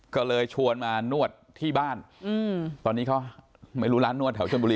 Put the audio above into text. ก็เลยชวนมานวดที่บ้านตอนนี้เขาไม่รู้ร้านนวดแถวชนบุรี